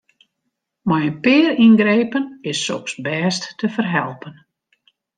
Mei in pear yngrepen is soks bêst te ferhelpen.